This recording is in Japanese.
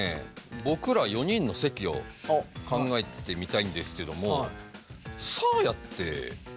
僕ら４人の席を考えてみたいんですけどもサーヤってどうだった？